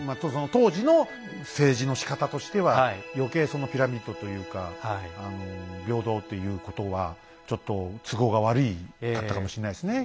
当時の政治のしかたとしては余計そのピラミッドというか平等ということはちょっと都合が悪かったかもしれないですね。